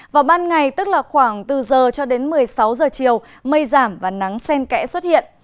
vào ban ngày tức là khoảng từ giờ cho đến một mươi sáu giờ chiều mây giảm và nắng sen kẽ xuất hiện